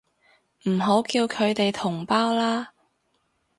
唔好叫佢哋同胞啦